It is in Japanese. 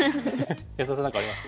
安田さん何かあります？